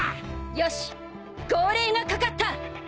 よし号令がかかった。